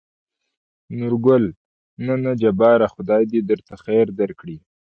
نورګل: نه نه جباره خداى د درته خېر درکړي.